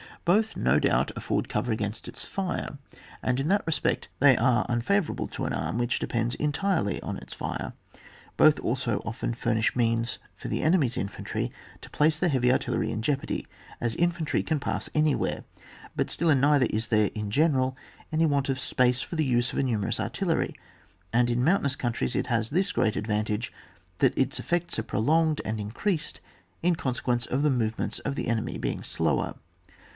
Both, no doubt, afford cover against its fire, and in that respect they are unfa vourable to an arm which depends entirely on its fire : both also often furnish means for the enemy's infantry to place the heavy artillery in jeopardy, as infantry can pass anywhere ; but still in neither is there in general any want of space for the use of a numerous artillery, and in mountainous countries it has this great advantage, that its effects are prolonged and increased in consequence of the movements of the enemy being slower.